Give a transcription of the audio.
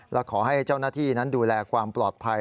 และขอให้เจ้าหน้าที่นั้นดูแลความปลอดภัย